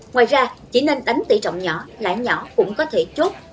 ngoài ra chỉ nên đánh tỷ trọng nhỏ lãng nhỏ cũng có thể chốt